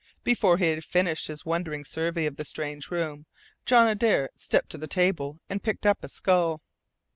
Before he had finished his wondering survey of the strange room, John Adare stepped to the table and picked up a skull.